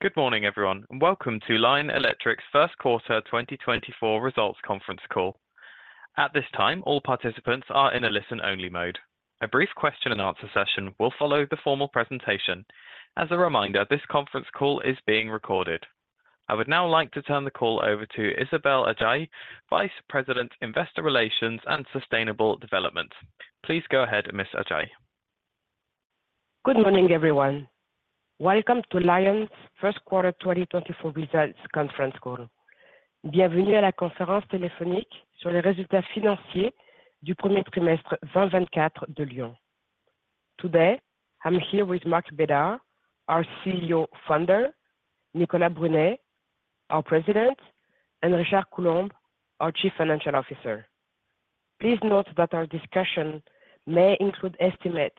Good morning, everyone, and welcome to Lion Electric's Q1 2024 results conference call. At this time, all participants are in a listen-only mode. A brief question-and-answer session will follow the formal presentation. As a reminder, this conference call is being recorded. I would now like to turn the call over to Isabelle Adjahi, Vice President, Investor Relations and Sustainable Development. Please go ahead, Ms. Adjahi. Good morning, everyone. Welcome to Lion's Q1 2024 results conference call. Bienvenue à la conférence téléphonique sur les résultats financiers du premier trimestre 2024 de Lion. Today, I'm here with Marc Bédard, our CEO/Founder, Nicolas Brunet, our President, and Richard Coulombe, our Chief Financial Officer. Please note that our discussion may include estimates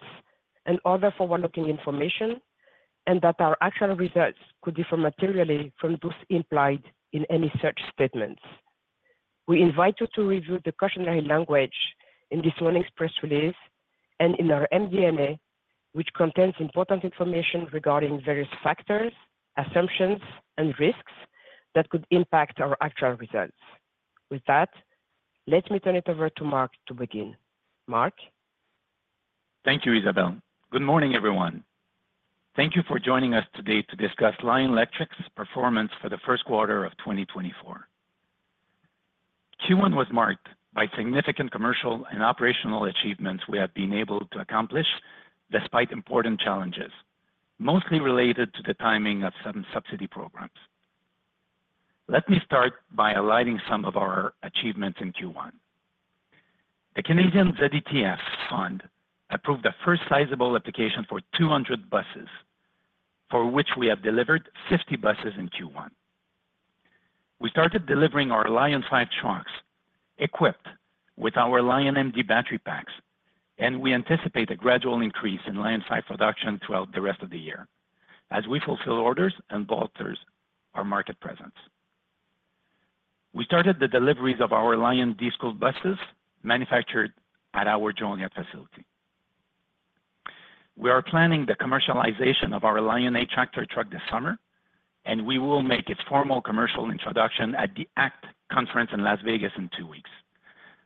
and other forward-looking information, and that our actual results could differ materially from those implied in any such statements. We invite you to review the cautionary language in this morning's press release and in our MD&A, which contains important information regarding various factors, assumptions, and risks that could impact our actual results. With that, let me turn it over to Marc to begin. Marc? Thank you, Isabelle. Good morning, everyone. Thank you for joining us today to discuss Lion Electric's performance for the Q1 of 2024. Q1 was marked by significant commercial and operational achievements we have been able to accomplish despite important challenges, mostly related to the timing of some subsidy programs. Let me start by aligning some of our achievements in Q1. The Canadian ZETF fund approved a first sizable application for 200 buses, for which we have delivered 50 buses in Q1. We started delivering our Lion5 trucks equipped with our LionMD battery packs, and we anticipate a gradual increase in Lion5 production throughout the rest of the year as we fulfill orders and bolster our market presence. We started the deliveries of our LionD school buses manufactured at our Joliet facility. We are planning the commercialization of our Lion8 Tractor truck this summer, and we will make its formal commercial introduction at the ACT Conference in Las Vegas in two weeks.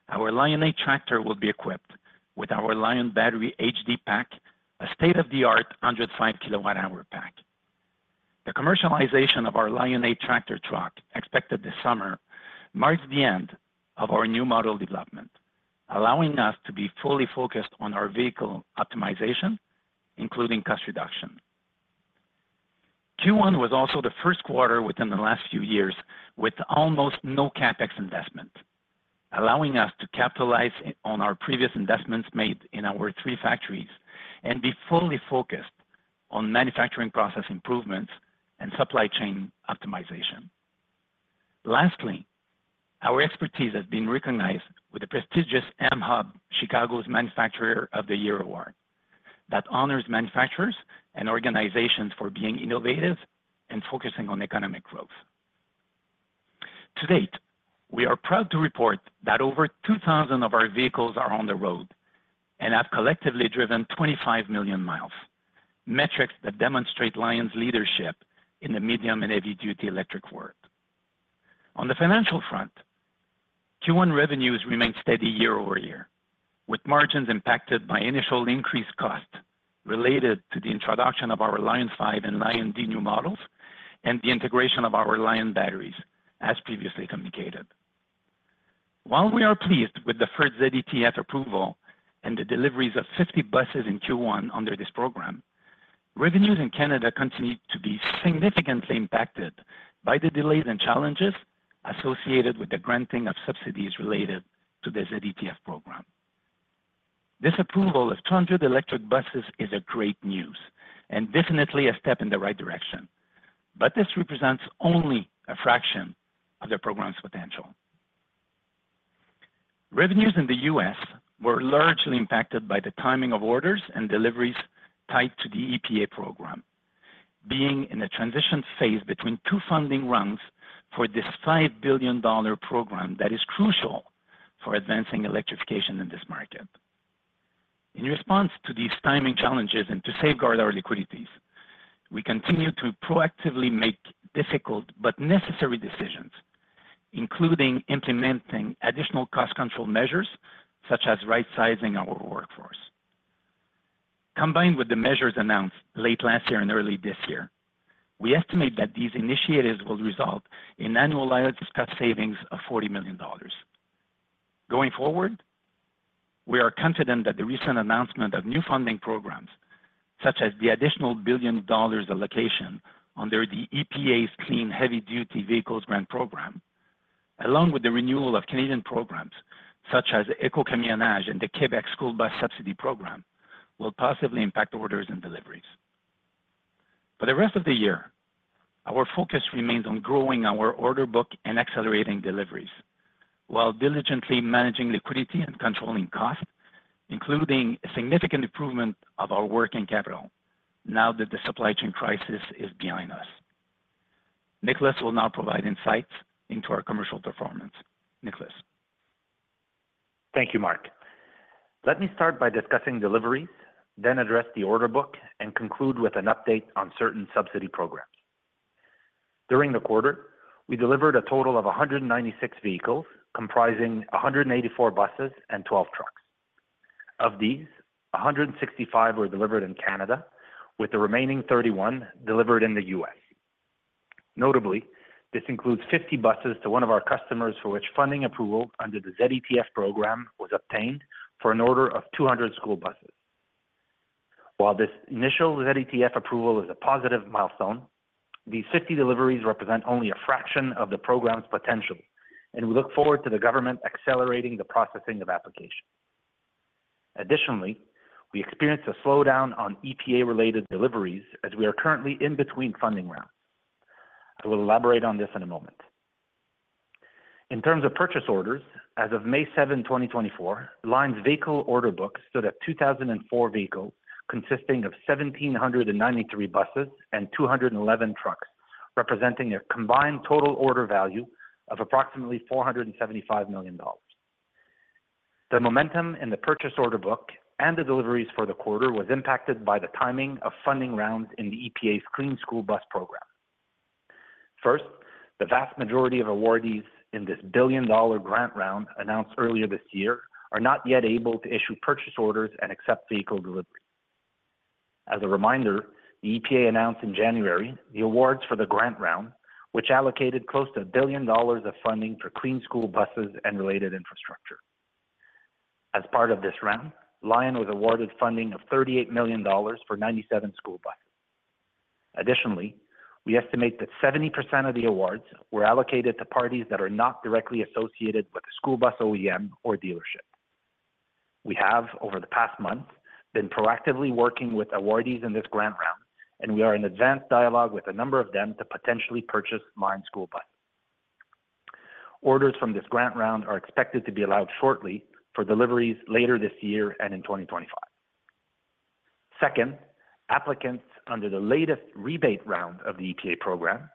Our Lion8 Tractor will be equipped with our Lion battery HD pack, a state-of-the-art 105 kWh pack. The commercialization of our Lion8 Tractor truck expected this summer marks the end of our new model development, allowing us to be fully focused on our vehicle optimization, including cost reduction. Q1 was also the Q1 within the last few years with almost no CapEx investment, allowing us to capitalize on our previous investments made in our three factories and be fully focused on manufacturing process improvements and supply chain optimization. Lastly, our expertise has been recognized with the prestigious mHUB Chicago's Manufacturer of the Year award that honors manufacturers and organizations for being innovative and focusing on economic growth. To date, we are proud to report that over 2,000 of our vehicles are on the road and have collectively driven 25 million mi, metrics that demonstrate Lion's leadership in the medium and heavy-duty electric world. On the financial front, Q1 revenues remain steady year-over-year, with margins impacted by initial increased costs related to the introduction of our Lion5 and LionD new models and the integration of our Lion batteries, as previously communicated. While we are pleased with the first ZETF approval and the deliveries of 50 buses in Q1 under this program, revenues in Canada continue to be significantly impacted by the delays and challenges associated with the granting of subsidies related to the ZETF program. This approval of 200 electric buses is great news and definitely a step in the right direction, but this represents only a fraction of the program's potential. Revenues in the U.S. were largely impacted by the timing of orders and deliveries tied to the EPA program, being in a transition phase between two funding runs for this $5 billion program that is crucial for advancing electrification in this market. In response to these timing challenges and to safeguard our liquidities, we continue to proactively make difficult but necessary decisions, including implementing additional cost control measures such as right-sizing our workforce. Combined with the measures announced late last year and early this year, we estimate that these initiatives will result in annualized cost savings of $40 million. Going forward, we are confident that the recent announcement of new funding programs, such as the additional $1 billion allocation under the EPA's Clean Heavy-Duty Vehicles Grant Program, along with the renewal of Canadian programs such as Écocamionnage and the Quebec School Bus Subsidy Program, will positively impact orders and deliveries. For the rest of the year, our focus remains on growing our order book and accelerating deliveries while diligently managing liquidity and controlling costs, including a significant improvement of our working capital now that the supply chain crisis is behind us. Nicolas will now provide insights into our commercial performance. Nicolas. Thank you, Marc. Let me start by discussing deliveries, then address the order book, and conclude with an update on certain subsidy programs. During the quarter, we delivered a total of 196 vehicles comprising 184 buses and 12 trucks. Of these, 165 were delivered in Canada, with the remaining 31 delivered in the U.S. Notably, this includes 50 buses to one of our customers for which funding approval under the ZETF program was obtained for an order of 200 school buses. While this initial ZETF approval is a positive milestone, these 50 deliveries represent only a fraction of the program's potential, and we look forward to the government accelerating the processing of applications. Additionally, we experienced a slowdown on EPA-related deliveries as we are currently in between funding rounds. I will elaborate on this in a moment. In terms of purchase orders, as of May 7, 2024, Lion's vehicle order book stood at 2,004 vehicles consisting of 1,793 buses and 211 trucks, representing a combined total order value of approximately $475 million. The momentum in the purchase order book and the deliveries for the quarter was impacted by the timing of funding rounds in the EPA's Clean School Bus Program. First, the vast majority of awardees in this billion-dollar grant round announced earlier this year are not yet able to issue purchase orders and accept vehicle deliveries. As a reminder, the EPA announced in January the awards for the grant round, which allocated close to $1 billion of funding for clean school buses and related infrastructure. As part of this round, Lion was awarded funding of $38 million for 97 school buses. Additionally, we estimate that 70% of the awards were allocated to parties that are not directly associated with a school bus OEM or dealership. We have, over the past month, been proactively working with awardees in this grant round, and we are in advanced dialogue with a number of them to potentially purchase Lion school buses. Orders from this grant round are expected to be allowed shortly for deliveries later this year and in 2025. Second, applicants under the latest rebate round of the EPA program,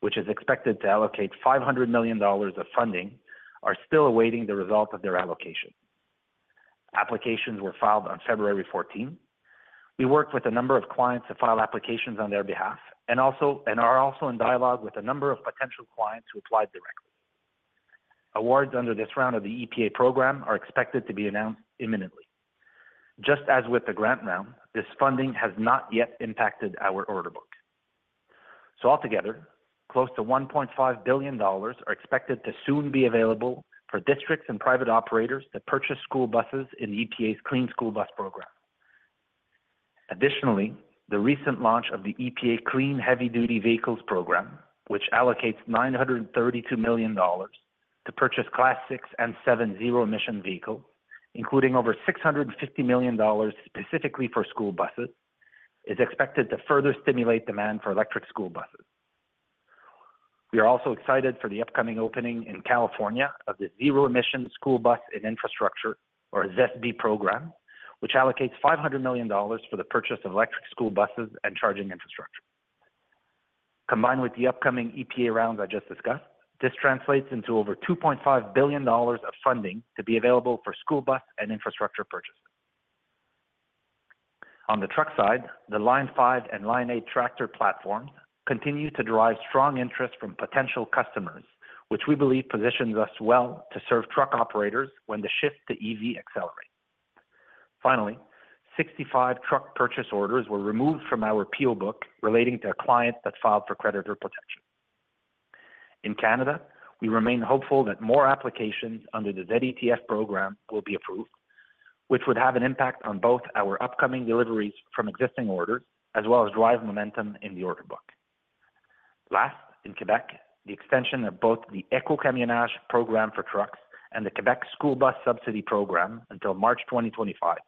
which is expected to allocate $500 million of funding, are still awaiting the result of their allocation. Applications were filed on February 14. We worked with a number of clients to file applications on their behalf and are also in dialogue with a number of potential clients who applied directly. Awards under this round of the EPA program are expected to be announced imminently. Just as with the grant round, this funding has not yet impacted our order book. So altogether, close to $1.5 billion are expected to soon be available for districts and private operators to purchase school buses in the EPA's Clean School Bus Program. Additionally, the recent launch of the EPA Clean Heavy-Duty Vehicles Program, which allocates $932 million to purchase Class six and seven zero-emission vehicles, including over $650 million specifically for school buses, is expected to further stimulate demand for electric school buses. We are also excited for the upcoming opening in California of the Zero-Emission School Bus and Infrastructure, or ZESB, program, which allocates $500 million for the purchase of electric school buses and charging infrastructure. Combined with the upcoming EPA rounds I just discussed, this translates into over $2.5 billion of funding to be available for school bus and infrastructure purchases. On the truck side, the Lion5 and Lion8 tractor platforms continue to drive strong interest from potential customers, which we believe positions us well to serve truck operators when the shift to EV accelerates. Finally, 65 truck purchase orders were removed from our PO book relating to a client that filed for creditor protection. In Canada, we remain hopeful that more applications under the ZETF program will be approved, which would have an impact on both our upcoming deliveries from existing orders as well as drive momentum in the order book. Last, in Quebec, the extension of both the Écocamionnage program for trucks and the Quebec School Bus Subsidy Program until March 2025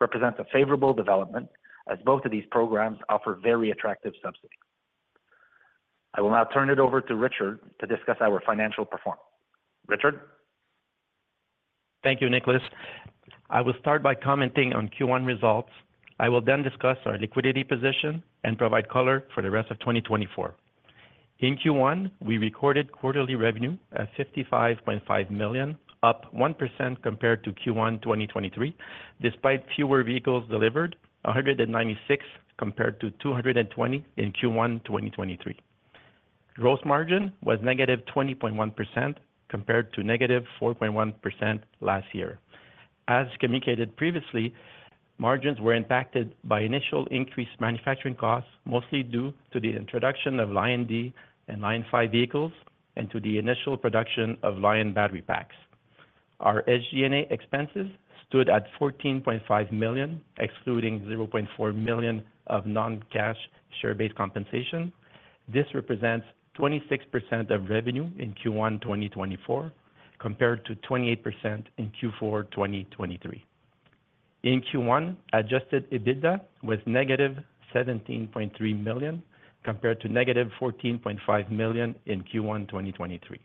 represents a favorable development, as both of these programs offer very attractive subsidies. I will now turn it over to Richard to discuss our financial performance. Richard? Thank you, Nicolas. I will start by commenting on Q1 results. I will then discuss our liquidity position and provide color for the rest of 2024. In Q1, we recorded quarterly revenue at $55.5 million, up 1% compared to Q1 2023, despite fewer vehicles delivered, 196 compared to 220 in Q1 2023. Gross margin was -20.1% compared to -4.1% last year. As communicated previously, margins were impacted by initial increased manufacturing costs, mostly due to the introduction of LionD and Lion5 vehicles and to the initial production of Lion battery packs. Our SG&A expenses stood at $14.5 million, excluding $0.4 million of non-cash share-based compensation. This represents 26% of revenue in Q1 2024 compared to 28% in Q4 2023. In Q1, adjusted EBITDA was -$17.3 million compared to -$14.5 million in Q1 2023.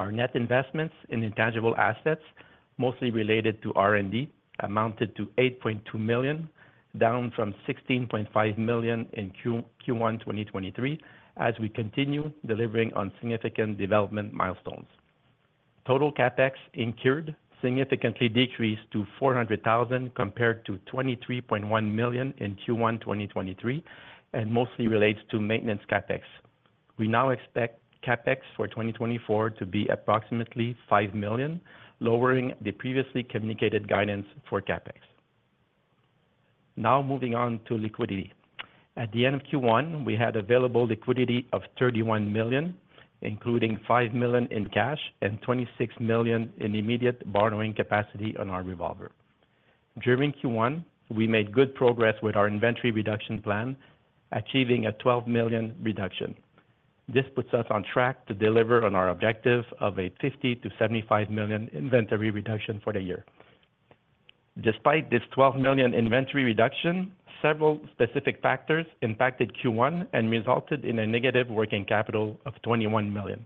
Our net investments in intangible assets, mostly related to R&D, amounted to $8.2 million, down from $16.5 million in Q1 2023 as we continue delivering on significant development milestones. Total CapEx incurred significantly decreased to $400,000 compared to $23.1 million in Q1 2023 and mostly relates to maintenance CapEx. We now expect CapEx for 2024 to be approximately $5 million, lowering the previously communicated guidance for CapEx. Now moving on to liquidity. At the end of Q1, we had available liquidity of $31 million, including $5 million in cash and $26 million in immediate borrowing capacity on our revolver. During Q1, we made good progress with our inventory reduction plan, achieving a $12 million reduction. This puts us on track to deliver on our objective of a $50-$75 million inventory reduction for the year. Despite this $12 million inventory reduction, several specific factors impacted Q1 and resulted in a negative working capital of $21 million.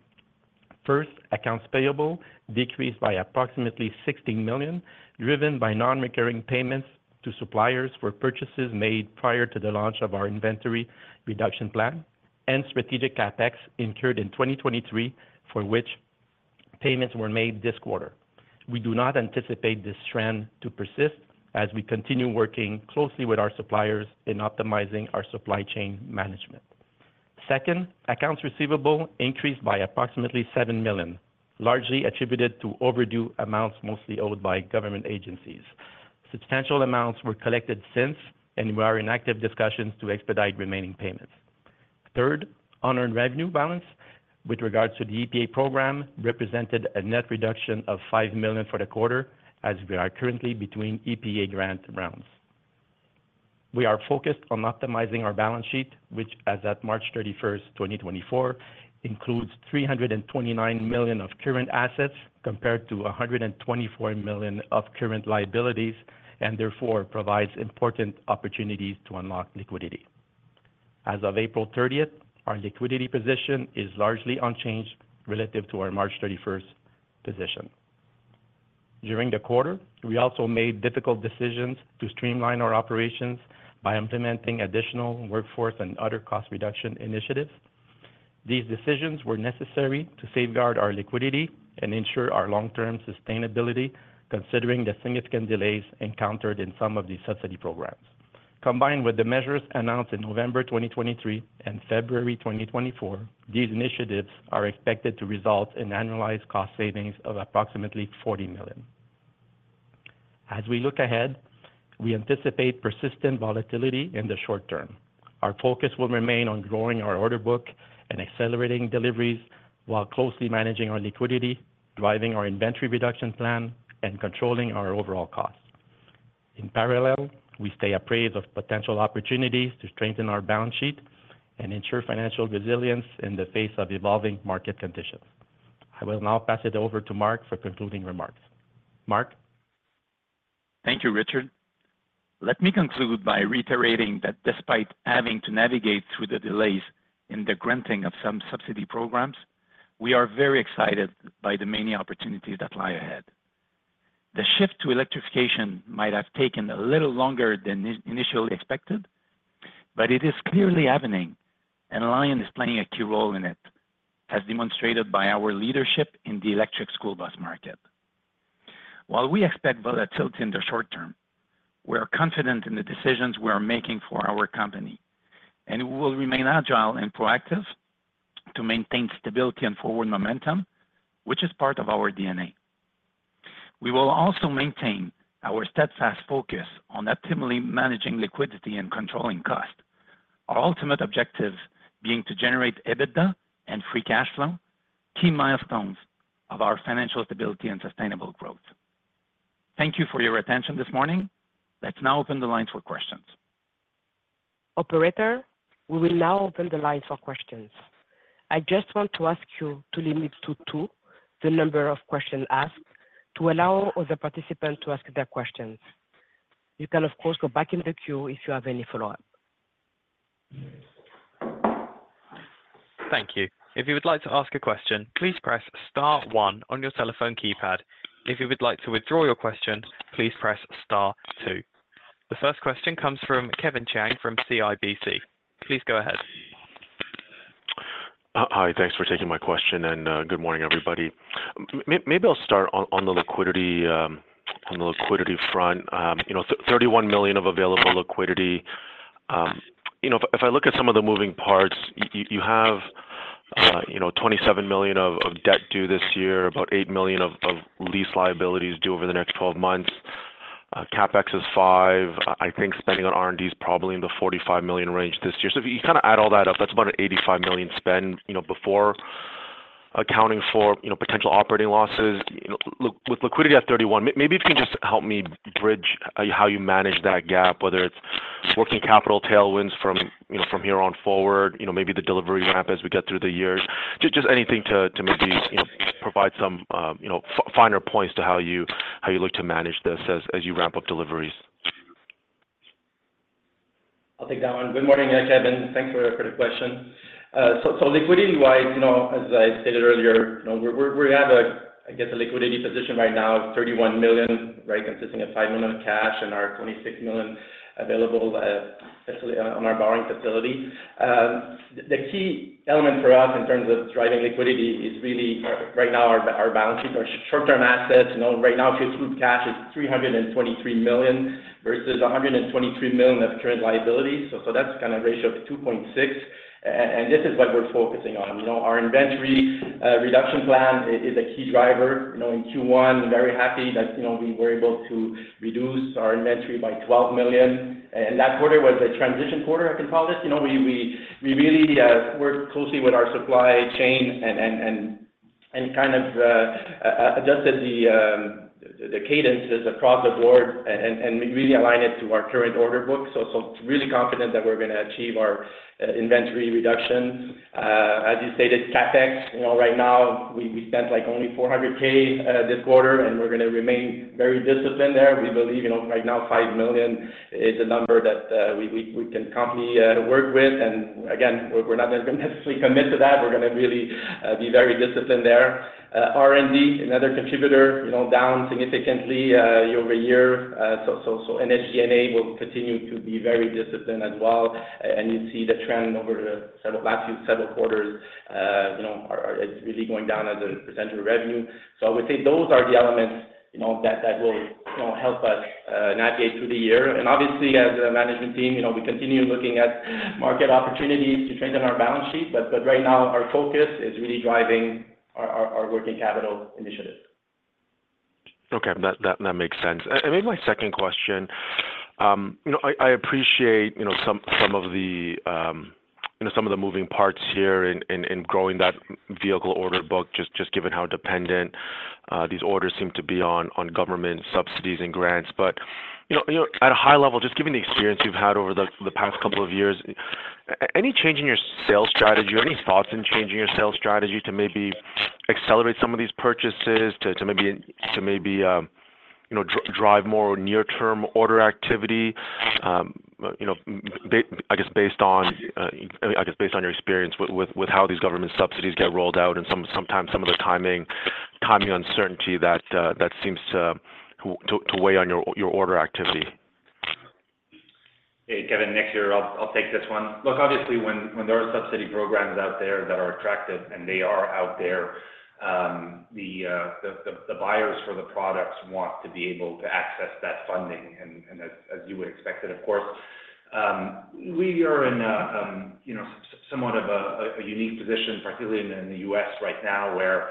First, accounts payable decreased by approximately $16 million, driven by non-recurring payments to suppliers for purchases made prior to the launch of our inventory reduction plan and strategic CapEx incurred in 2023, for which payments were made this quarter. We do not anticipate this trend to persist, as we continue working closely with our suppliers in optimizing our supply chain management. Second, accounts receivable increased by approximately $7 million, largely attributed to overdue amounts mostly owed by government agencies. Substantial amounts were collected since, and we are in active discussions to expedite remaining payments. Third, unearned revenue balance with regards to the EPA program represented a net reduction of $5 million for the quarter, as we are currently between EPA grant rounds. We are focused on optimizing our balance sheet, which, as of March 31, 2024, includes $329 million of current assets compared to $124 million of current liabilities and therefore provides important opportunities to unlock liquidity. As of April 30, our liquidity position is largely unchanged relative to our March 31 position. During the quarter, we also made difficult decisions to streamline our operations by implementing additional workforce and other cost reduction initiatives. These decisions were necessary to safeguard our liquidity and ensure our long-term sustainability, considering the significant delays encountered in some of the subsidy programs. Combined with the measures announced in November 2023 and February 2024, these initiatives are expected to result in annualized cost savings of approximately $40 million. As we look ahead, we anticipate persistent volatility in the short term. Our focus will remain on growing our order book and accelerating deliveries while closely managing our liquidity, driving our inventory reduction plan, and controlling our overall costs. In parallel, we stay apprised of potential opportunities to strengthen our balance sheet and ensure financial resilience in the face of evolving market conditions. I will now pass it over to Marc for concluding remarks. Marc? Thank you, Richard. Let me conclude by reiterating that despite having to navigate through the delays in the granting of some subsidy programs, we are very excited by the many opportunities that lie ahead. The shift to electrification might have taken a little longer than initially expected, but it is clearly happening, and Lion is playing a key role in it, as demonstrated by our leadership in the electric school bus market. While we expect volatility in the short term, we are confident in the decisions we are making for our company, and we will remain agile and proactive to maintain stability and forward momentum, which is part of our DNA. We will also maintain our steadfast focus on optimally managing liquidity and controlling cost, our ultimate objective being to generate EBITDA and free cash flow, key milestones of our financial stability and sustainable growth. Thank you for your attention this morning. Let's now open the lines for questions. Operator, we will now open the lines for questions. I just want to ask you to limit to two, the number of questions asked, to allow other participants to ask their questions. You can, of course, go back in the queue if you have any follow-up. Thank you. If you would like to ask a question, please press star one on your telephone keypad. If you would like to withdraw your question, please press star two. The first question comes from Kevin Chiang from CIBC. Please go ahead. Hi. Thanks for taking my question, and good morning, everybody. Maybe I'll start on the liquidity front. $31 million of available liquidity. If I look at some of the moving parts, you have $27 million of debt due this year, about $8 million of lease liabilities due over the next 12 months. CapEx is $5 million. I think spending on R&D is probably in the $45 million range this year. So if you kind of add all that up, that's about an $85 million spend before accounting for potential operating losses. With liquidity at $31 million, maybe if you can just help me bridge how you manage that gap, whether it's working capital tailwinds from here on forward, maybe the delivery ramp as we get through the year, just anything to maybe provide some finer points to how you look to manage this as you ramp up deliveries. I'll take that one. Good morning, Kevin. Thanks for the question. So liquidity-wise, as I stated earlier, we have, I guess, a liquidity position right now of $31 million, consisting of $5 million of cash and our $26 million available on our borrowing facility. The key element for us in terms of driving liquidity is really, right now, our balance sheet, our short-term assets. Right now, if you include cash, it's $323 million versus $123 million of current liabilities. So that's kind of a ratio of 2.6. And this is what we're focusing on. Our inventory reduction plan is a key driver in Q1. Very happy that we were able to reduce our inventory by $12 million. And that quarter was a transition quarter, I can call it. We really worked closely with our supply chain and kind of adjusted the cadences across the board and really aligned it to our current order book. So really confident that we're going to achieve our inventory reduction. As you stated, CapEx, right now, we spent only $400,000 this quarter, and we're going to remain very disciplined there. We believe right now, $5 million is a number that we can comfortably work with. And again, we're not going to necessarily commit to that. We're going to really be very disciplined there. R&D, another contributor, down significantly over a year. So SG&A will continue to be very disciplined as well. And you see the trend over the last few several quarters, it's really going down as a percentage of revenue. So I would say those are the elements that will help us navigate through the year. And obviously, as a management team, we continue looking at market opportunities to strengthen our balance sheet. But right now, our focus is really driving our working capital initiative. Okay. That makes sense. Maybe my second question. I appreciate some of the moving parts here in growing that vehicle order book, just given how dependent these orders seem to be on government subsidies and grants. But at a high level, just given the experience you've had over the past couple of years, any change in your sales strategy or any thoughts in changing your sales strategy to maybe accelerate some of these purchases, to maybe drive more near-term order activity, I guess based on I guess based on your experience with how these government subsidies get rolled out and sometimes some of the timing uncertainty that seems to weigh on your order activity? Hey, Kevin. Next, I'll take this one. Look, obviously, when there are subsidy programs out there that are attractive, and they are out there, the buyers for the products want to be able to access that funding, as you would expect it, of course. We are in somewhat of a unique position, particularly in the U.S. right now, where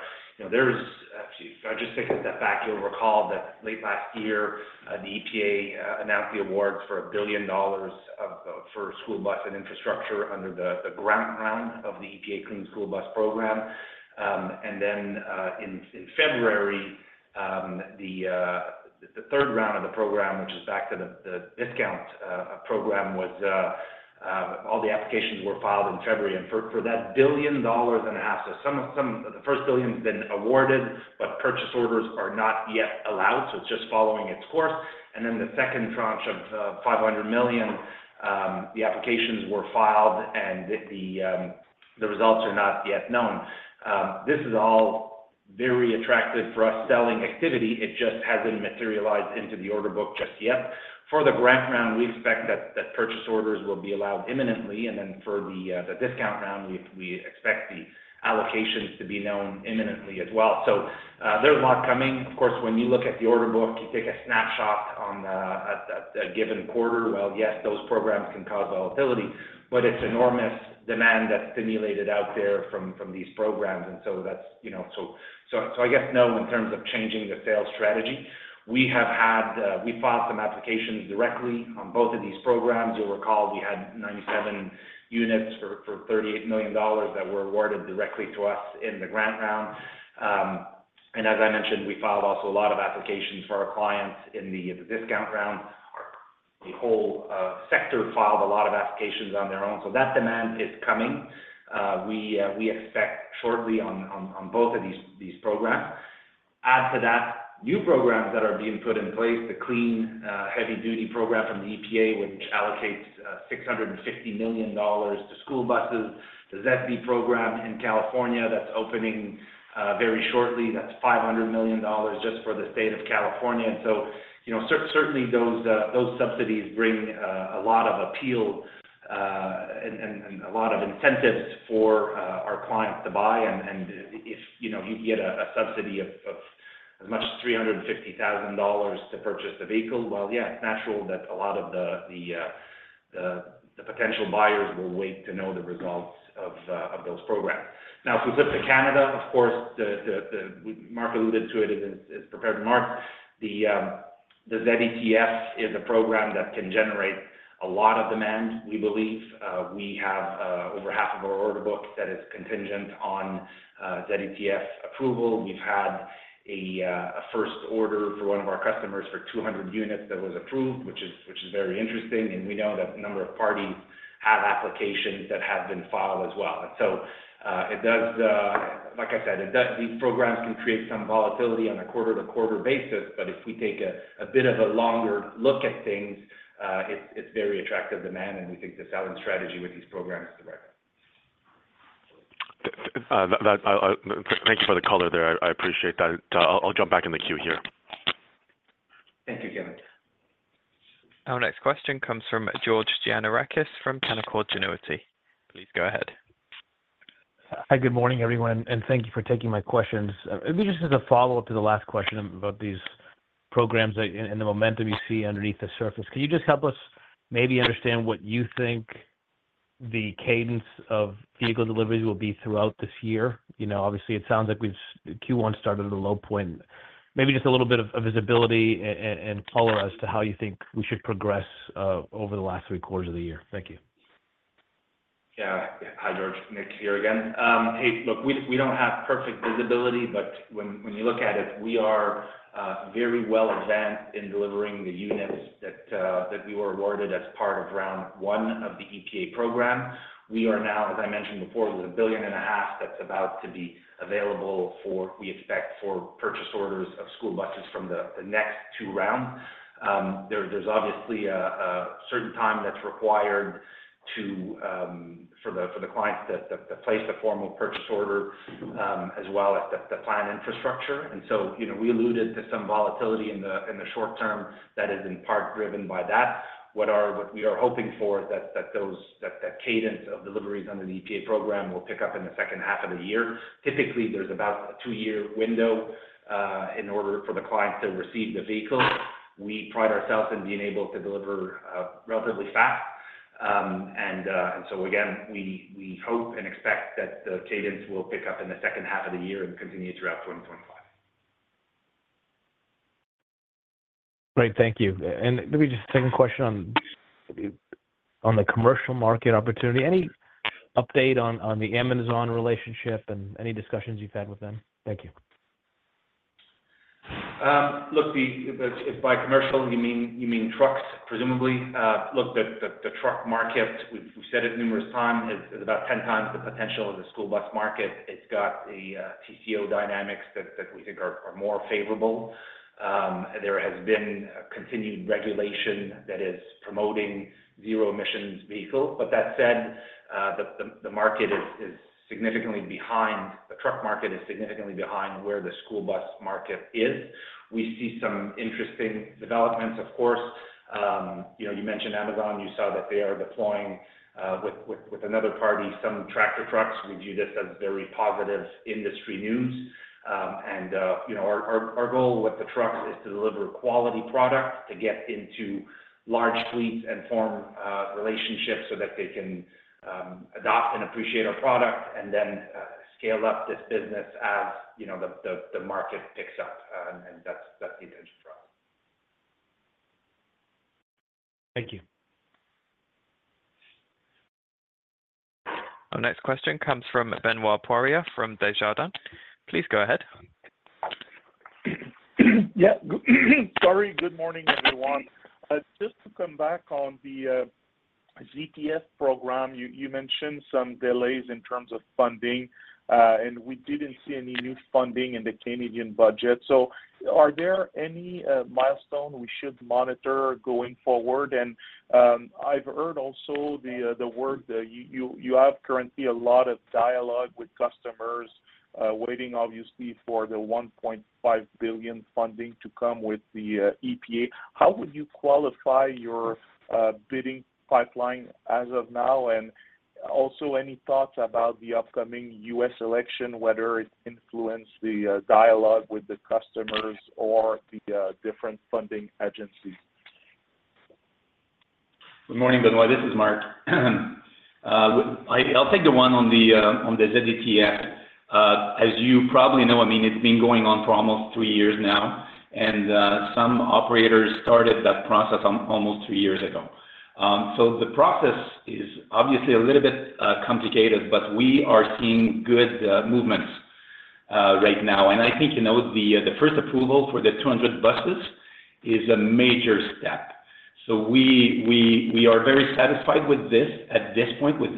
there's actually, if I just take a step back, you'll recall that late last year, the EPA announced the awards for $1 billion for school bus and infrastructure under the grant round of the EPA Clean School Bus Program. And then in February, the third round of the program, which is back to the discount program, was all the applications were filed in February. And for that $1.5 billion, so some of the first $1 billion has been awarded, but purchase orders are not yet allowed. So it's just following its course. And then the second tranche of $500 million, the applications were filed, and the results are not yet known. This is all very attractive for us selling activity. It just hasn't materialized into the order book just yet. For the grant round, we expect that purchase orders will be allowed imminently. And then for the discount round, we expect the allocations to be known imminently as well. So there's a lot coming. Of course, when you look at the order book, you take a snapshot on a given quarter. Well, yes, those programs can cause volatility, but it's enormous demand that's stimulated out there from these programs. And so that's, I guess, no, in terms of changing the sales strategy, we have filed some applications directly on both of these programs. You'll recall we had 97 units for $38 million that were awarded directly to us in the grant round. As I mentioned, we filed also a lot of applications for our clients in the discount round. The whole sector filed a lot of applications on their own. That demand is coming. We expect shortly on both of these programs. Add to that, new programs that are being put in place, the Clean Heavy-Duty Program from the EPA, which allocates $650 million to school buses, the ZESB program in California that's opening very shortly, that's $500 million just for the state of California. So certainly, those subsidies bring a lot of appeal and a lot of incentives for our clients to buy. If you get a subsidy of as much as $350,000 to purchase a vehicle, well, yeah, it's natural that a lot of the potential buyers will wait to know the results of those programs. Now, if we flip to Canada, of course, Marc alluded to it and has prepared remarks. The ZETF is a program that can generate a lot of demand, we believe. We have over half of our order book that is contingent on ZETF approval. We've had a first order for one of our customers for 200 units that was approved, which is very interesting. And we know that a number of parties have applications that have been filed as well. And so it does like I said, these programs can create some volatility on a quarter-to-quarter basis. If we take a bit of a longer look at things, it's very attractive demand, and we think the selling strategy with these programs is the right one. Thank you for the color there. I appreciate that. I'll jump back in the queue here. Thank you, Kevin. Our next question comes from George Gianarikas from Canaccord Genuity. Please go ahead. Hi. Good morning, everyone. Thank you for taking my questions. Maybe just as a follow-up to the last question about these programs and the momentum you see underneath the surface, can you just help us maybe understand what you think the cadence of vehicle deliveries will be throughout this year? Obviously, it sounds like Q1 started at a low point. Maybe just a little bit of visibility and color as to how you think we should progress over the last three quarters of the year. Thank you. Yeah. Hi, George. Nick here again. Hey, look, we don't have perfect visibility, but when you look at it, we are very well advanced in delivering the units that we were awarded as part of round one of the EPA program. We are now, as I mentioned before, with $1.5 billion that's about to be available for we expect for purchase orders of school buses from the next two rounds. There's obviously a certain time that's required for the clients to place a formal purchase order as well as to plan infrastructure. And so we alluded to some volatility in the short term that is in part driven by that. What we are hoping for is that that cadence of deliveries under the EPA program will pick up in the second half of the year. Typically, there's about a 2-year window in order for the clients to receive the vehicle. We pride ourselves in being able to deliver relatively fast. And so again, we hope and expect that the cadence will pick up in the second half of the year and continue throughout 2025. Great. Thank you. And maybe just a second question on the commercial market opportunity. Any update on the Amazon relationship and any discussions you've had with them? Thank you. Look, if by commercial, you mean trucks, presumably. Look, the truck market, we've said it numerous times, is about 10 times the potential of the school bus market. It's got a TCO dynamics that we think are more favorable. There has been continued regulation that is promoting zero-emissions vehicles. But that said, the truck market is significantly behind where the school bus market is. We see some interesting developments, of course. You mentioned Amazon. You saw that they are deploying with another party some tractor trucks. We view this as very positive industry news. Our goal with the trucks is to deliver quality product, to get into large fleets and form relationships so that they can adopt and appreciate our product and then scale up this business as the market picks up. That's the intention for us. Thank you. Our next question comes from Benoit Poirier from Desjardins. Please go ahead. Yeah. Sorry. Good morning, everyone. Just to come back on the ZETF program, you mentioned some delays in terms of funding, and we didn't see any new funding in the Canadian budget. So are there any milestones we should monitor going forward? And I've heard also the word that you have currently a lot of dialogue with customers waiting, obviously, for the $1.5 billion funding to come with the EPA. How would you qualify your bidding pipeline as of now? And also any thoughts about the upcoming U.S. election, whether it influenced the dialogue with the customers or the different funding agencies? Good morning, Benoit. This is Marc. I'll take the one on the ZETF. As you probably know, I mean, it's been going on for almost three years now, and some operators started that process almost three years ago. So the process is obviously a little bit complicated, but we are seeing good movements right now. And I think the first approval for the 200 buses is a major step. So we are very satisfied with this at this point, with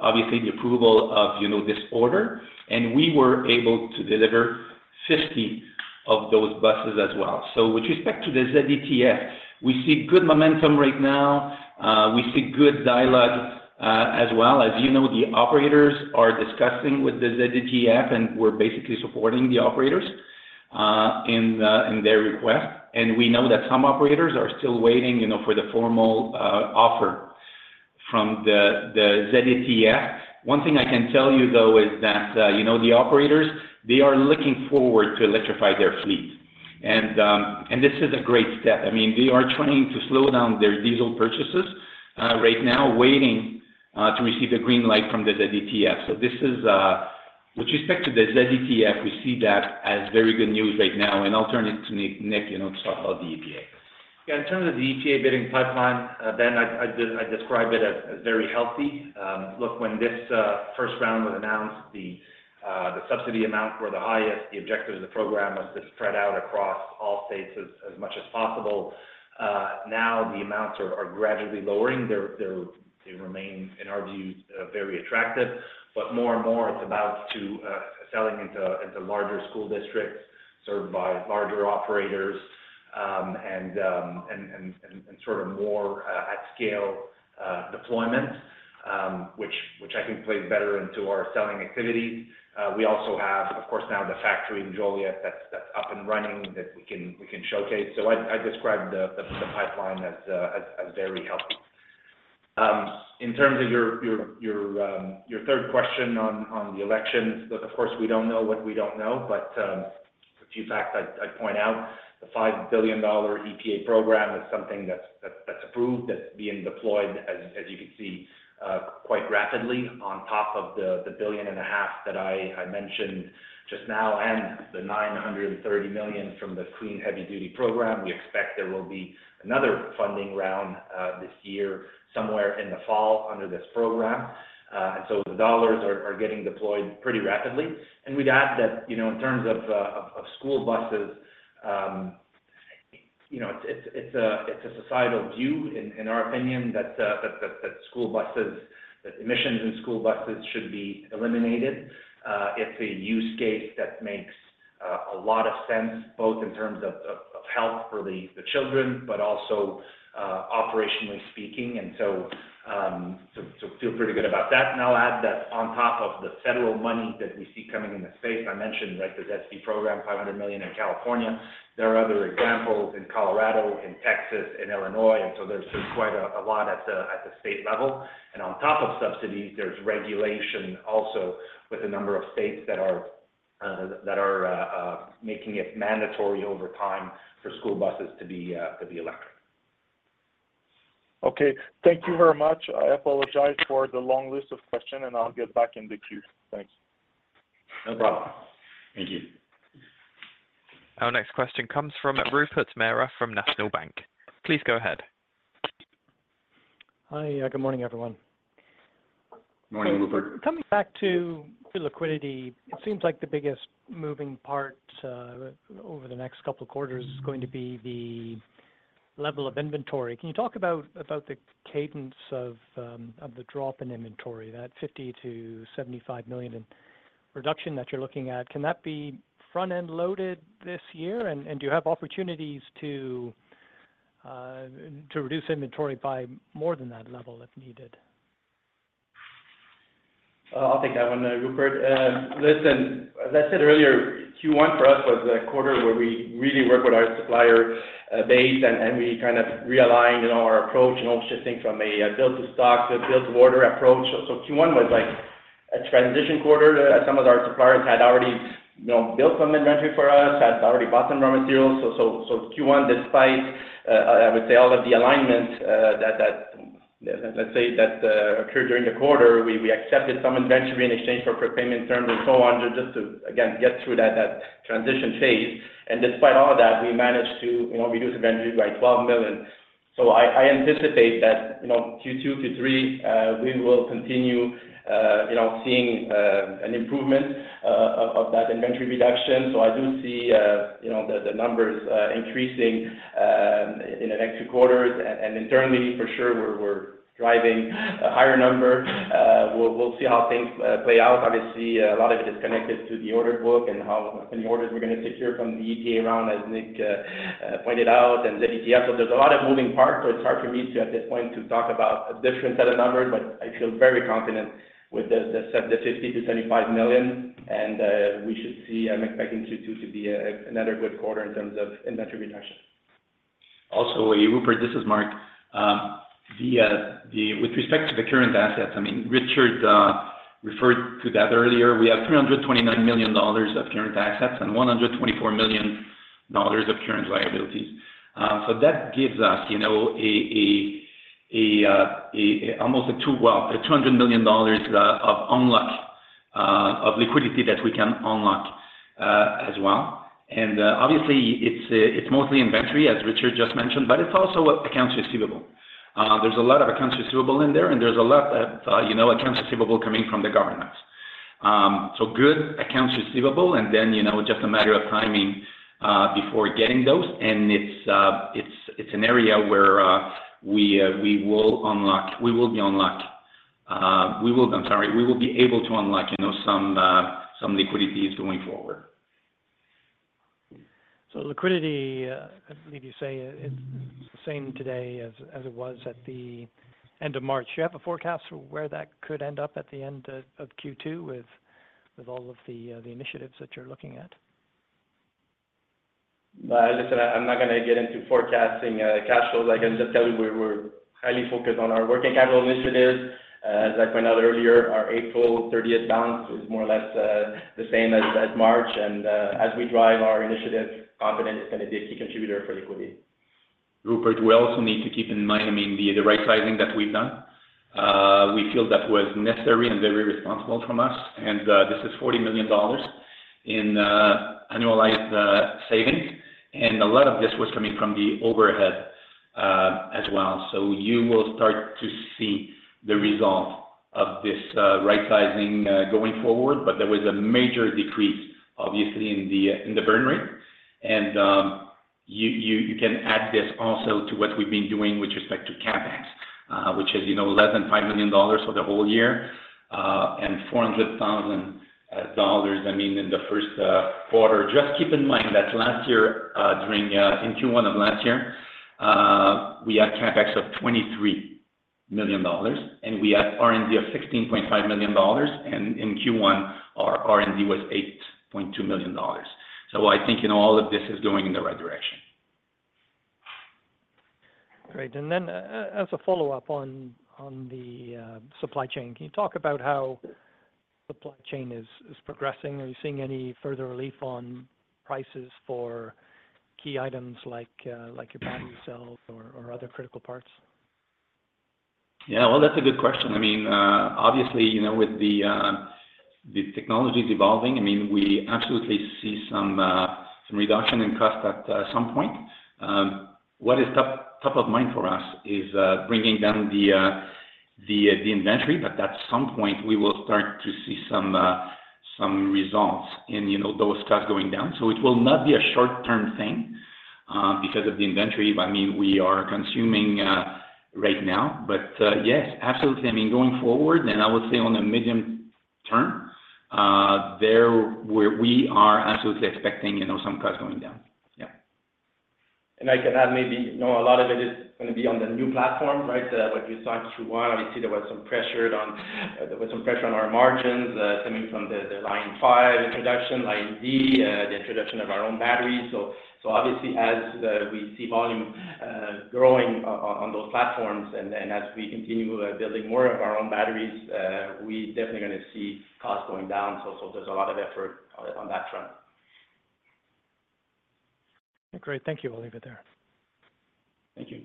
obviously the approval of this order. And we were able to deliver 50 of those buses as well. So with respect to the ZETF, we see good momentum right now. We see good dialogue as well. As you know, the operators are discussing with the ZETF, and we're basically supporting the operators in their request. We know that some operators are still waiting for the formal offer from the ZETF. One thing I can tell you, though, is that the operators, they are looking forward to electrify their fleet. This is a great step. I mean, they are trying to slow down their diesel purchases right now, waiting to receive the green light from the ZETF. With respect to the ZETF, we see that as very good news right now. I'll turn it to Nick to talk about the EPA. Yeah. In terms of the EPA bidding pipeline, Ben, I describe it as very healthy. Look, when this first round was announced, the subsidy amount were the highest. The objective of the program was to spread out across all states as much as possible. Now, the amounts are gradually lowering. They remain, in our view, very attractive. But more and more, it's about selling into larger school districts served by larger operators and sort of more at-scale deployments, which I think plays better into our selling activities. We also have, of course, now the factory in Joliet that's up and running that we can showcase. So I describe the pipeline as very healthy. In terms of your third question on the elections, look, of course, we don't know what we don't know. But a few facts I'd point out. The $5 billion EPA program is something that's approved, that's being deployed, as you can see, quite rapidly on top of the $1.5 billion that I mentioned just now and the $930 million from the Clean Heavy-Duty Program. We expect there will be another funding round this year somewhere in the fall under this program. And so the dollars are getting deployed pretty rapidly. And we'd add that in terms of school buses, it's a societal view, in our opinion, that emissions in school buses should be eliminated. It's a use case that makes a lot of sense, both in terms of health for the children, but also operationally speaking. And so feel pretty good about that. I'll add that on top of the federal money that we see coming in the space I mentioned, right, the ZETF program, $500 million in California, there are other examples in Colorado, in Texas, in Illinois. So there's quite a lot at the state level. On top of subsidies, there's regulation also with a number of states that are making it mandatory over time for school buses to be electric. Okay. Thank you very much. I apologize for the long list of questions, and I'll get back in the queue. Thanks. No problem. Thank you. Our next question comes from Rupert Merer from National Bank. Please go ahead. Hi. Good morning, everyone. Good morning, Rupert. Coming back to liquidity, it seems like the biggest moving part over the next couple of quarters is going to be the level of inventory. Can you talk about the cadence of the drop in inventory, that $50 million-$75 million reduction that you're looking at? Can that be front-end loaded this year? And do you have opportunities to reduce inventory by more than that level if needed? I'll take that one, Rupert. Listen, as I said earlier, Q1 for us was a quarter where we really worked with our supplier base, and we kind of realigned our approach and all such things from a build-to-stock to build-to-order approach. So Q1 was a transition quarter. Some of our suppliers had already built some inventory for us, had already bought some raw materials. So Q1, despite, I would say, all of the alignment that, let's say, occurred during the quarter, we accepted some inventory in exchange for prepayment terms and so on just to, again, get through that transition phase. And despite all of that, we managed to reduce inventory by $12 million. So I anticipate that Q2, Q3, we will continue seeing an improvement of that inventory reduction. So I do see the numbers increasing in the next two quarters. Internally, for sure, we're driving a higher number. We'll see how things play out. Obviously, a lot of it is connected to the order book and how many orders we're going to secure from the EPA round, as Nick pointed out, and ZETF. So there's a lot of moving parts. So it's hard for me at this point to talk about a different set of numbers, but I feel very confident with the $50 million-$75 million. And we should see. I'm expecting Q2 to be another good quarter in terms of inventory reduction. Also, Rupert, this is Marc. With respect to the current assets, I mean, Richard referred to that earlier. We have $329 million of current assets and $124 million of current liabilities. So that gives us almost a, well, $200 million of liquidity that we can unlock as well. And obviously, it's mostly inventory, as Richard just mentioned, but it's also accounts receivable. There's a lot of accounts receivable in there, and there's a lot of accounts receivable coming from the government. So good accounts receivable, and then just a matter of timing before getting those. And it's an area where, I'm sorry, we will be able to unlock some liquidity going forward. So liquidity, I believe you say, it's the same today as it was at the end of March. Do you have a forecast for where that could end up at the end of Q2 with all of the initiatives that you're looking at? Listen, I'm not going to get into forecasting cash flows. I can just tell you we're highly focused on our working capital initiatives. As I pointed out earlier, our April 30th balance is more or less the same as March. As we drive our initiatives, confident it's going to be a key contributor for liquidity. Rupert, we also need to keep in mind, I mean, the right-sizing that we've done. We feel that was necessary and very responsible from us. This is $40 million in annualized savings. A lot of this was coming from the overhead as well. So you will start to see the result of this right-sizing going forward. But there was a major decrease, obviously, in the burn rate. You can add this also to what we've been doing with respect to CapEx, which is less than $5 million for the whole year. $400,000, I mean, in the Q1. Just keep in mind that last year, in Q1 of last year, we had CapEx of $23 million. We had R&D of $16.5 million. In Q1, our R&D was $8.2 million. So I think all of this is going in the right direction. Great. And then as a follow-up on the supply chain, can you talk about how supply chain is progressing? Are you seeing any further relief on prices for key items like your battery cells or other critical parts? Yeah. Well, that's a good question. I mean, obviously, with the technologies evolving, I mean, we absolutely see some reduction in cost at some point. What is top of mind for us is bringing down the inventory. But at some point, we will start to see some results in those costs going down. So it will not be a short-term thing because of the inventory. I mean, we are consuming right now. But yes, absolutely. I mean, going forward, and I would say on a medium term, we are absolutely expecting some costs going down. Yeah. I can add maybe a lot of it is going to be on the new platforms, right? What you saw in Q1, obviously, there was some pressure on our margins coming from the Lion5 introduction, LionD, the introduction of our own batteries. So obviously, as we see volume growing on those platforms and as we continue building more of our own batteries, we're definitely going to see costs going down. So there's a lot of effort on that front. Great. Thank you. I'll leave it there. Thank you.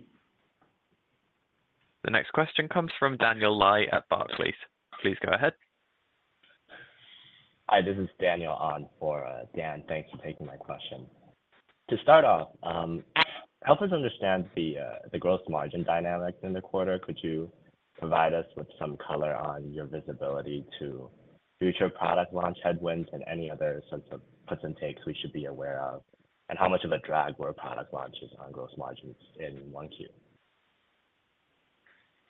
The next question comes from Daniel Lai at Barclays. Please go ahead. Hi. This is Daniel on for Dan. Thanks for taking my question. To start off, help us understand the gross margin dynamics in the quarter. Could you provide us with some color on your visibility to future product launch headwinds and any other sorts of puts and takes we should be aware of? And how much of a drag were product launches on gross margins in Q1? Well, listen,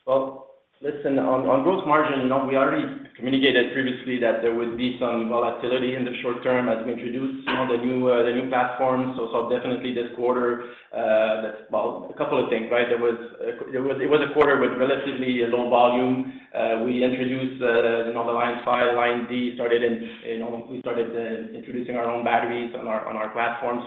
on gross margin, we already communicated previously that there would be some volatility in the short term as we introduce the new platforms. So definitely, this quarter, well, a couple of things, right? It was a quarter with relatively low volume. We introduced the Lion5, LionD, and we started introducing our own batteries on our platform.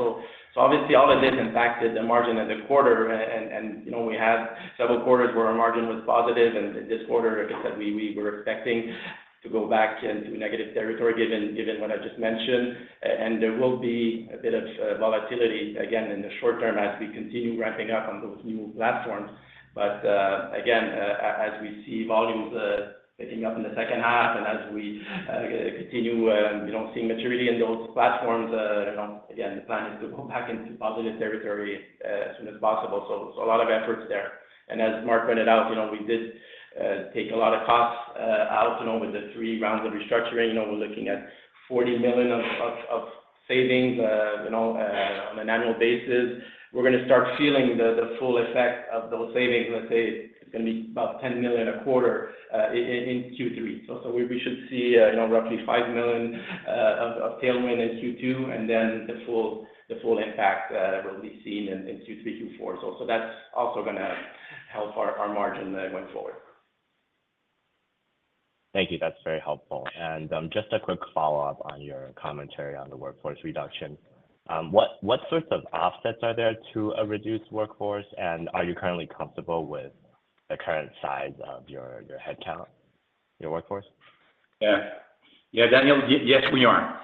So obviously, all of this impacted the margin in the quarter. And we had several quarters where our margin was positive. And this quarter, like I said, we were expecting to go back into negative territory given what I just mentioned. And there will be a bit of volatility, again, in the short term as we continue ramping up on those new platforms. But again, as we see volumes picking up in the second half and as we continue seeing maturity in those platforms, again, the plan is to go back into positive territory as soon as possible. So a lot of efforts there. And as Marc pointed out, we did take a lot of costs out with the three rounds of restructuring. We're looking at $40 million of savings on an annual basis. We're going to start feeling the full effect of those savings. Let's say it's going to be about $10 million a quarter in Q3. So we should see roughly $5 million of tailwind in Q2, and then the full impact will be seen in Q3, Q4. So that's also going to help our margin going forward. Thank you. That's very helpful. And just a quick follow-up on your commentary on the workforce reduction. What sorts of offsets are there to a reduced workforce? And are you currently comfortable with the current size of your headcount, your workforce? Yeah. Yeah, Daniel, yes, we are.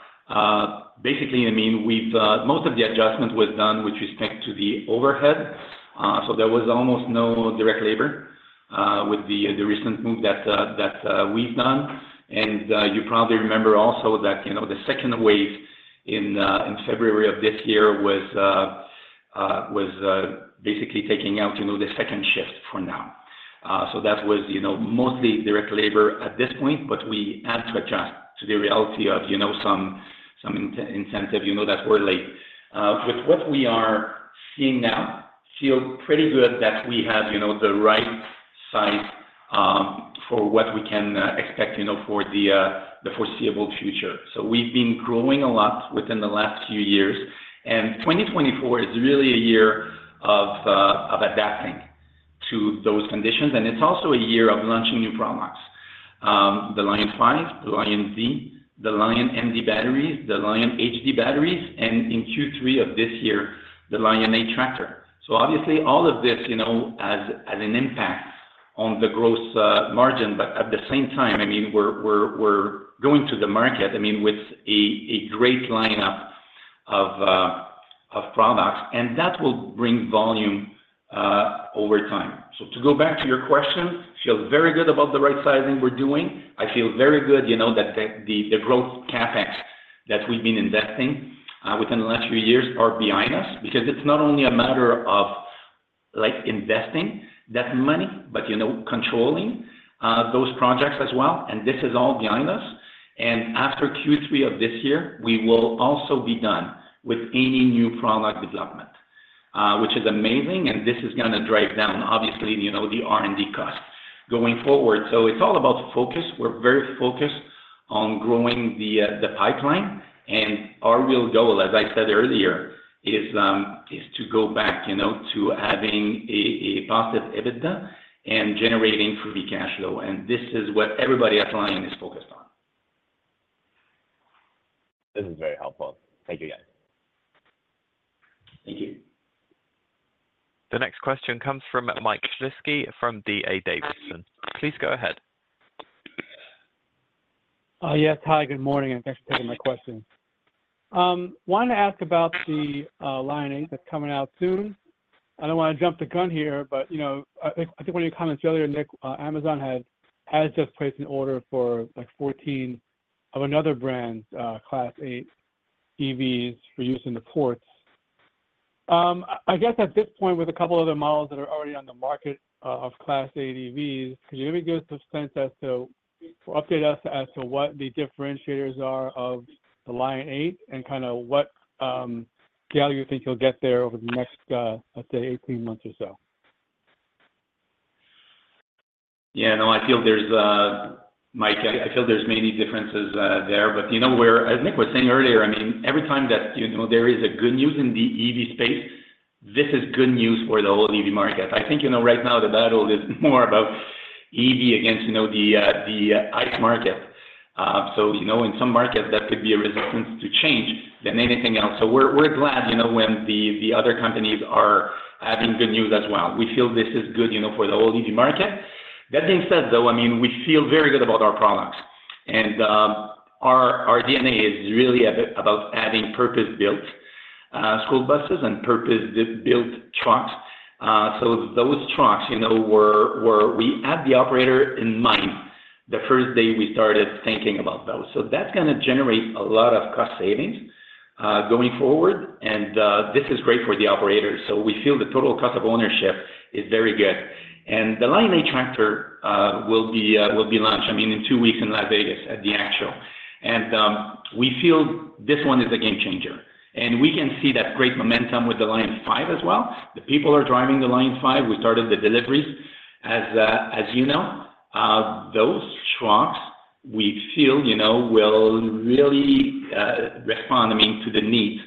Basically, I mean, most of the adjustment was done with respect to the overhead. So there was almost no direct labor with the recent move that we've done. And you probably remember also that the second wave in February of this year was basically taking out the second shift for now. So that was mostly direct labor at this point, but we had to adjust to the reality of some incentive that's early. With what we are seeing now, I feel pretty good that we have the right size for what we can expect for the foreseeable future. So we've been growing a lot within the last few years. And 2024 is really a year of adapting to those conditions. It's also a year of launching new products: the Lion5, the LionD, the LionMD batteries, the Lion HD batteries, and in Q3 of this year, the Lion8 Tractor. So obviously, all of this has an impact on the gross margin. But at the same time, I mean, we're going to the market, I mean, with a great lineup of products. That will bring volume over time. So to go back to your question, I feel very good about the right-sizing we're doing. I feel very good that the growth CapEx that we've been investing within the last few years are behind us because it's not only a matter of investing that money, but controlling those projects as well. This is all behind us. After Q3 of this year, we will also be done with any new product development, which is amazing. This is going to drive down, obviously, the R&D costs going forward. It's all about focus. We're very focused on growing the pipeline. Our real goal, as I said earlier, is to go back to having a positive EBITDA and generating free cash flow. This is what everybody at Lion is focused on. This is very helpful. Thank you, guys. Thank you. The next question comes from Mike Shlisky from D.A. Davidson. Please go ahead. Yes. Hi. Good morning. Thanks for taking my question. I wanted to ask about the Lion 8 that's coming out soon. I don't want to jump the gun here, but I think one of your comments earlier, Nick, Amazon has just placed an order for 14 of another brand's Class 8 EVs for use in the ports. I guess at this point, with a couple other models that are already on the market of Class 8 EVs, could you maybe give us a sense or update us as to what the differentiators are of the Lion 8 and kind of what scale you think you'll get there over the next, let's say, 18 months or so? Yeah. No, I feel there's Mike, I feel there's many differences there. But as Nick was saying earlier, I mean, every time that there is good news in the EV space, this is good news for the whole EV market. I think right now, the battle is more about EV against the ICE market. So in some markets, that could be a resistance to change than anything else. So we're glad when the other companies are having good news as well. We feel this is good for the whole EV market. That being said, though, I mean, we feel very good about our products. And our DNA is really about having purpose-built school buses and purpose-built trucks. So those trucks, we had the operator in mind the first day we started thinking about those. So that's going to generate a lot of cost savings going forward. And this is great for the operator. So we feel the total cost of ownership is very good. And the Lion8 Tractor will be launched, I mean, in two weeks in Las Vegas at the ACT. And we feel this one is a game changer. And we can see that great momentum with the Lion5 as well. The people are driving the Lion5. We started the deliveries. As you know, those trucks, we feel, will really respond, I mean, to the needs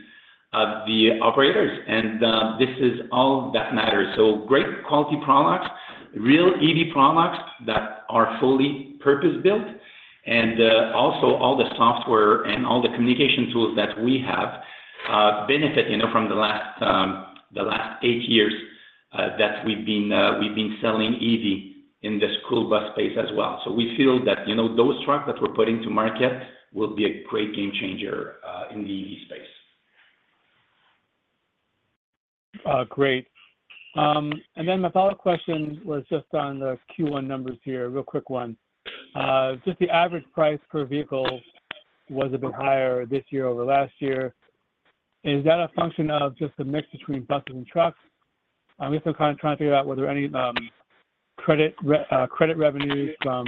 of the operators. And this is all that matters. So great quality products, real EV products that are fully purpose-built, and also all the software and all the communication tools that we have benefit from the last eight years that we've been selling EV in the school bus space as well. We feel that those trucks that we're putting to market will be a great game changer in the EV space. Great. And then my follow-up question was just on the Q1 numbers here, a real quick one. Just the average price per vehicle was a bit higher this year over last year. Is that a function of just a mix between buses and trucks? We're still kind of trying to figure out whether any credit revenues from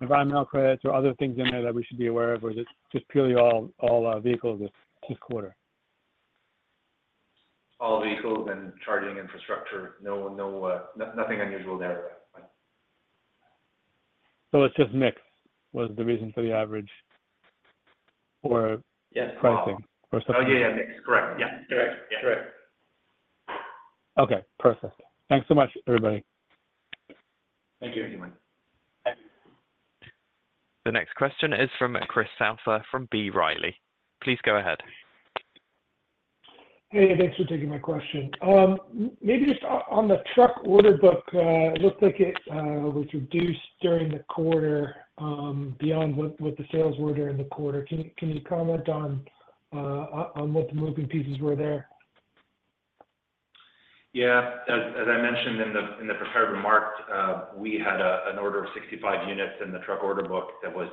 environmental credits or other things in there that we should be aware of, or is it just purely all vehicles this quarter? All vehicles and charging infrastructure. Nothing unusual there. It's just mixed was the reason for the average pricing or something? Oh, yeah. Yeah. Mixed. Correct. Yeah. Correct. Yeah. Correct. Okay. Perfect. Thanks so much, everybody. Thank you. Thank you, Mike. The next question is from Chris Souther from B. Riley. Please go ahead. Hey. Thanks for taking my question. Maybe just on the truck order book, it looked like it was reduced during the quarter beyond what the sales were during the quarter. Can you comment on what the moving pieces were there? Yeah. As I mentioned in the prepared remarks, we had an order of 65 units in the truck order book that was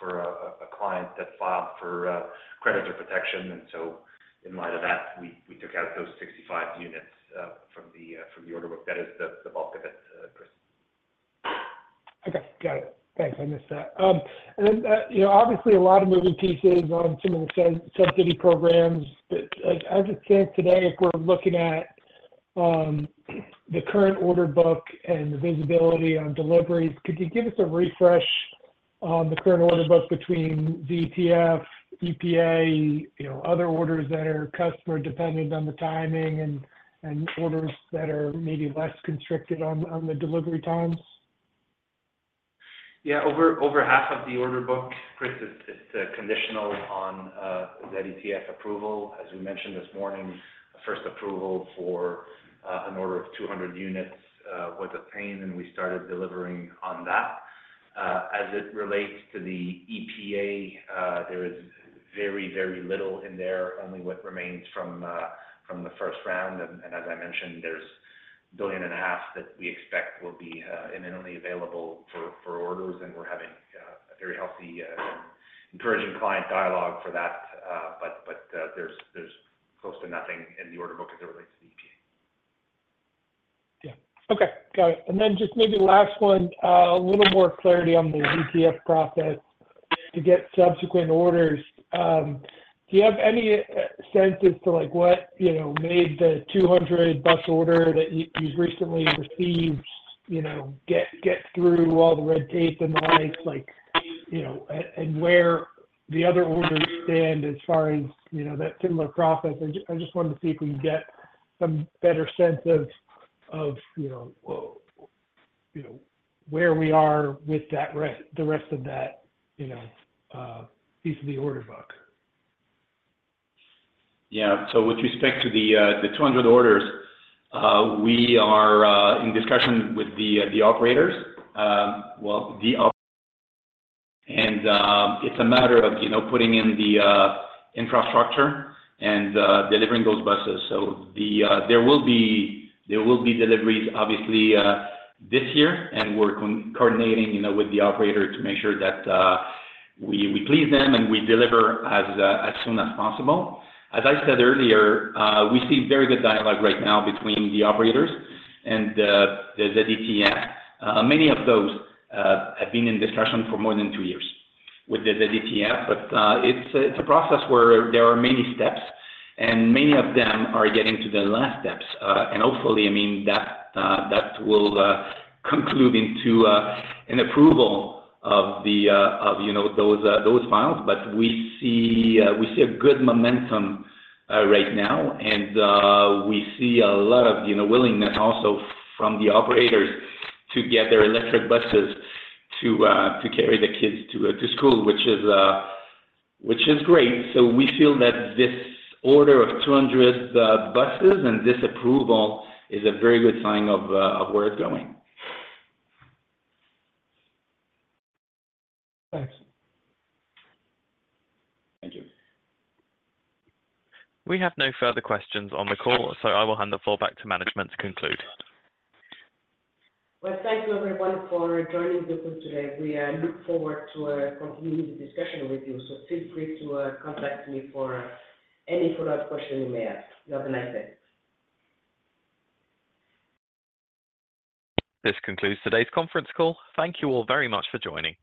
for a client that filed for creditor protection. And so in light of that, we took out those 65 units from the order book. That is the bulk of it, Chris. Okay. Got it. Thanks. I missed that. And then obviously, a lot of moving pieces on some of the subsidy programs. But I just think today, if we're looking at the current order book and the visibility on deliveries, could you give us a refresh on the current order book between ZETF, EPA, other orders that are customer-dependent on the timing, and orders that are maybe less constricted on the delivery times? Yeah. Over half of the order book, Chris, is conditional on ZETF approval. As we mentioned this morning, the first approval for an order of 200 units was obtained, and we started delivering on that. As it relates to the EPA, there is very, very little in there, only what remains from the first round. And as I mentioned, there's $1.5 billion that we expect will be imminently available for orders. And we're having a very healthy, encouraging client dialogue for that. But there's close to nothing in the order book as it relates to the EPA. Yeah. Okay. Got it. And then just maybe last one, a little more clarity on the ZTF process to get subsequent orders. Do you have any sense as to what made the 200 bus order that you've recently received get through all the red tape and the like, and where the other orders stand as far as that similar process? I just wanted to see if we can get some better sense of where we are with the rest of that piece of the order book. Yeah. So with respect to the 200 orders, we are in discussion with the operators. And it's a matter of putting in the infrastructure and delivering those buses. So there will be deliveries, obviously, this year. And we're coordinating with the operator to make sure that we please them and we deliver as soon as possible. As I said earlier, we see very good dialogue right now between the operators and the ZETF. Many of those have been in discussion for more than two years with the ZETF. But it's a process where there are many steps. And many of them are getting to the last steps. And hopefully, I mean, that will conclude into an approval of those files. But we see a good momentum right now. We see a lot of willingness also from the operators to get their electric buses to carry the kids to school, which is great. We feel that this order of 200 buses and this approval is a very good sign of where it's going. Thanks. Thank you. We have no further questions on the call, so I will hand the floor back to management to conclude. Well, thank you, everyone, for joining the call today. We look forward to continuing the discussion with you. Feel free to contact me for any follow-up question you may have. You have a nice day. This concludes today's conference call. Thank you all very much for joining.